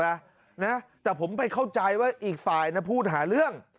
นะนะแต่ผมไปเข้าใจว่าอีกฝ่ายนะพูดหาเรื่อง